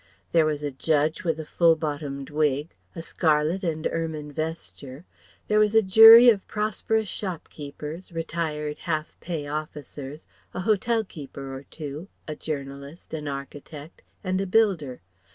There was a judge with a full bottomed wig, a scarlet and ermine vesture, there was a jury of prosperous shopkeepers, retired half pay officers, a hotelkeeper or two, a journalist, an architect, and a builder.